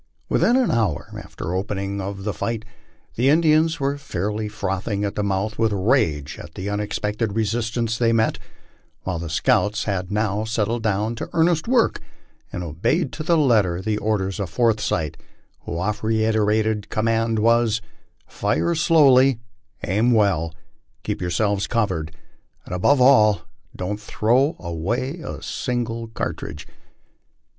Within an hour after the opening of the fight, the Indians were fairly frothing at the mouth with rage at the unexpected resistance they met, while the scouts had now settled down to earnest work, and obeyed to the letter the orders of Forsyth, whose oft reiterated command was, " Fire slowly, aim well, keep yourselves covered, and, above all, don't throw away a single cartridge."